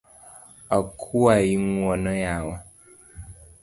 Akuayi ng’uono yawa